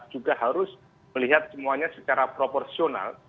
juga harus melihat semuanya secara proporsional